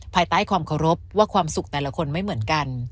ภายใต้ความเคารพว่าความสุขแต่ละคนไม่เหมือนกัน